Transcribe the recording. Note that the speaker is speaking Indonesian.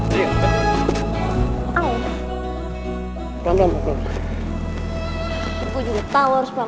bantu gue berdiri aja